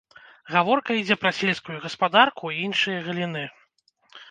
Гаворка ідзе пра сельскую гаспадарку і іншыя галіны.